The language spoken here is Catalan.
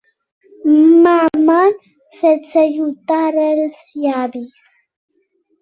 Mamem sense ajuntar els llavis.